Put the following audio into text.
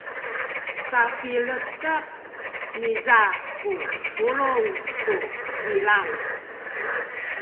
sapiletek niza ku pulung tu kilang.